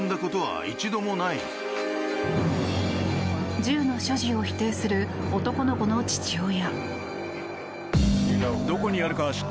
銃の所持を否定する男の子の父親。